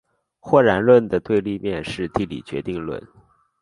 或然论的对立面是地理决定论。